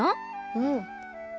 うん。